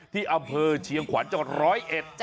ที่อำเภอเฉียงขวัญจากร้อยเอ็ด